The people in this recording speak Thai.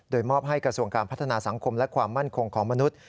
โดยมอบให้กระทรวงการพัฒนาสังคมและความมั่นคงของมนุษย์